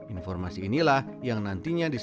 informasi inilah yang nantinya disediakan